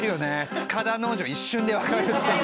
塚田農場が一瞬でわかるっていう。